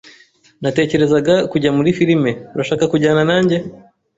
Natekerezaga kujya muri firime. Urashaka kujyana nanjye?